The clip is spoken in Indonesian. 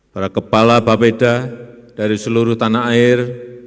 para kepala bapeda dari seluruh tanah air